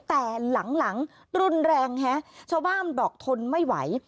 แต่หลังรุนแรงฮะชาวบ้านบอกทนไม่ไหว